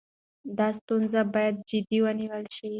دا ستونزه باید جدي ونیول شي.